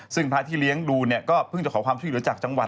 ซึ่งพระที่เลี้ยงดูเนี่ยก็เพิ่งจะขอความช่วยเหลือจากจังหวัด